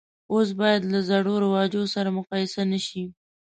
اوس باید له زړو رواجو سره مقایسه نه شي.